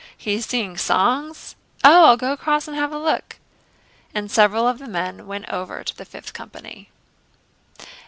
He's singing songs...." "Oh, I'll go across and have a look...." And several of the men went over to the Fifth Company.